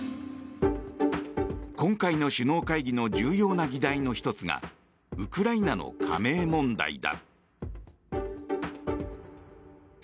今回の首脳会議の重要な議題の１つがウクライナの加盟問題だ。